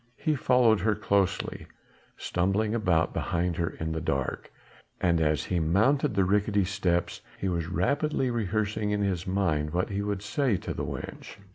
He followed her closely, stumbling behind her in the dark, and as he mounted the ricketty steps he was rapidly rehearsing in his mind what he would say to the wench.